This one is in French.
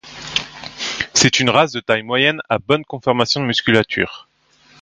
C'est une race de taille moyenne à bonne conformation de musculature.